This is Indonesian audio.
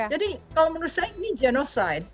jadi kalau menurut saya ini genocide